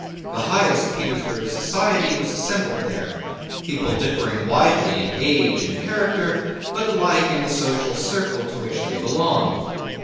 The highest Petersburg society was assembled there: people differing widely in age and character but alike in the social circle to which they belonged.